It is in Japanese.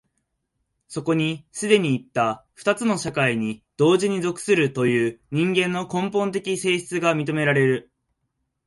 そこに既にいった二つの社会に同時に属するという人間の根本的性質が認められる。